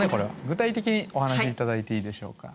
具体的にお話し頂いていいでしょうか。